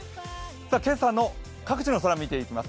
今朝の各地の空見ていきます。